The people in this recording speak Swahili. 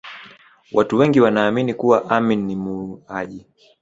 watu wengi wanaamini kuwa amin ni muuaji